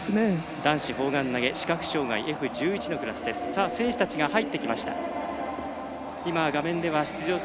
男子砲丸投げ視覚障がいＦ１１のクラスです。